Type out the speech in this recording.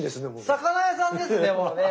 魚屋さんですねもうね。